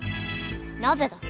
なぜだ？